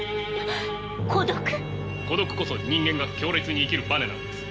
孤独こそ人間が強烈に生きるバネなのです。